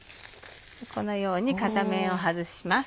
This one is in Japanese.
このように片面を外します。